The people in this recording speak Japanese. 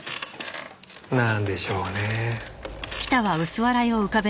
なんでしょうね？